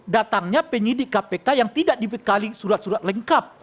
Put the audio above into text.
datangnya penyidik kpk yang tidak dibekali surat surat lengkap